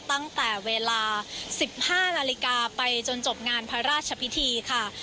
ตั้งแต่เวลา๑๕นาฬิกาไปจนจบงานพระราชพิธีค่ะ